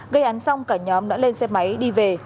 gây án xong cả nhóm đã lên xe máy đi về